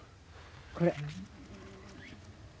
これ。